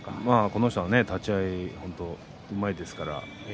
この人は立ち合いがうまいですからね。